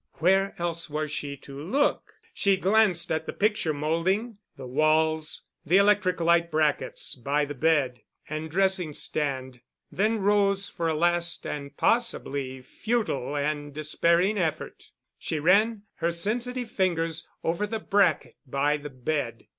Where else was she to look? She glanced at the picture molding, the walls, the electric light brackets by the bed and dressing stand, then rose for a last and possibly futile and despairing effort. She ran her sensitive fingers over the bracket by the bed.